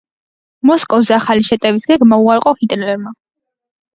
მოსკოვზე ახალი შეტევის გეგმა უარყო ჰიტლერმა.